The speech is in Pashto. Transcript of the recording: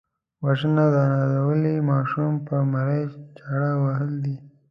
وژنه د نازولي ماشوم پر مرۍ چاړه وهل دي